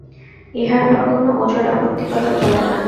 ইহার পর কোনো ওজর-আপত্তি করা চলে না।